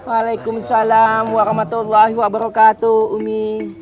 waalaikumsalam warahmatullahi wabarakatuh umi